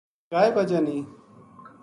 کائے وجہ نیہہ‘‘